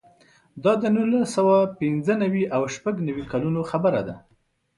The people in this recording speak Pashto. دا د نولس سوه پنځه نوې او شپږ نوې کلونو خبره ده.